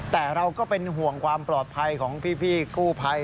แต่เราก็เป็นห่วงความปลอดภัยของพี่กู้ภัย